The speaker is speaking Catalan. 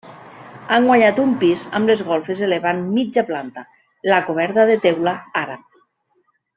Han guanyat un pis amb les golfes elevant mitja planta, la coberta de teula àrab.